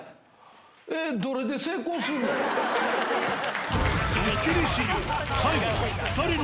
えっ、どれで成功すんの？